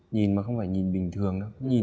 nhìn mà không phải nhìn bình thường đâu